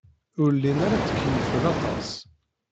Ur llin ara ttkeyyifen aṭas.